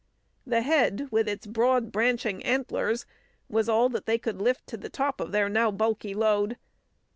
The head, with its broad, branching antlers, was all that they could lift to the top of their now bulky load.